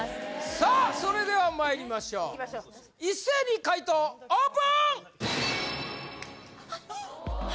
さあそれではまいりましょう一斉に解答オープン！